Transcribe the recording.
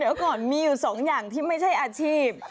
เดี๋ยวก่อนมีอยู่สองอย่างที่ไม่ใช่อาชีพ